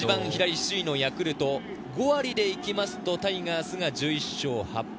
首位のヤクルトは５割で行くとタイガースが１１勝８敗。